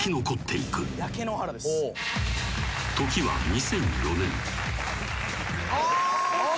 ［時は２００４年］